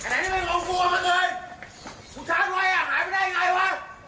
ไอ้ไหนนี่ไม่เอาของกูมาเกินสุชาติไว้อ่ะหายไปได้ยังไงวะ